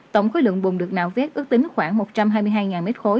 tổng khối lượng bùng được nào phép ước tính khoảng một trăm hai mươi hai m ba